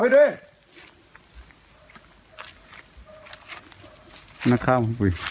ผิดของของหมดเลย